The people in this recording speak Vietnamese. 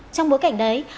trong bối cảnh đấy